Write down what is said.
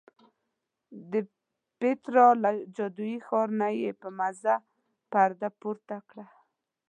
د پیترا له جادویي ښار نه یې په مزه پرده پورته کړه.